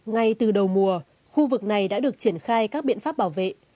ngay từ đầu mùa khu vực này đã được triển khai các biện pháp bảo vệ